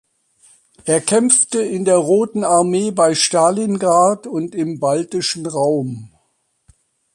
Er kämpfte in der Roten Armee bei Stalingrad und im baltischen Raum.